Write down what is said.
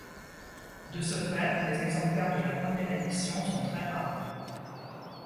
De ce fait, les exemplaires de la première édition sont très rares.